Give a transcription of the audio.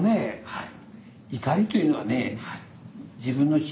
はい。